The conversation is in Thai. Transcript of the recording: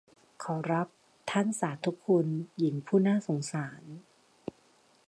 ขอรับ ท่านสาธุคุณ หญิงผู้น่าสงสาร